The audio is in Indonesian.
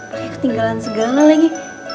pakai ketinggalan segala lagi